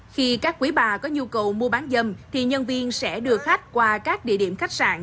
khi các quý bà có nhu cầu mua bán dâm thì nhân viên sẽ đưa khách qua các địa điểm khách sạn